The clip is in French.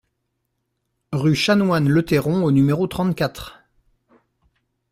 Rue Chanoine Letteron au numéro trente-quatre